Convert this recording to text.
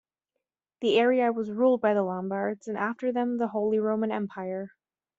The area was ruled by the Lombards and after them the Holy Roman Empire.